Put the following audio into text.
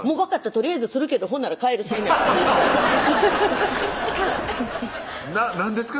とりあえずするけどほんなら帰るさいなら」なんですか？